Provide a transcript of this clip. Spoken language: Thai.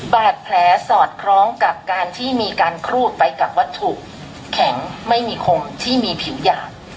บาดแผลสอดคล้องกับการที่มีการครูดไปกับวัตถุแข็งไม่มีคมที่มีผิวหยาด